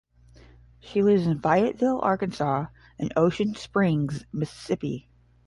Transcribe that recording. She lives in Fayetteville, Arkansas, and Ocean Springs, Mississippi.